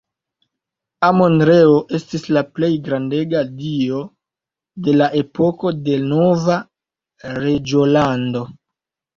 Amon-Reo estis la plej grandega dio de la epoko de Nova Reĝolando.